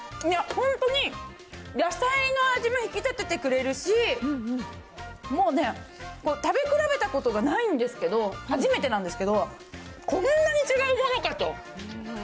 いや、本当に野菜の味も引き立ててくれるし、もうね、食べ比べたことがないんですけど、初めてなんですけど、こんなに違うものかと。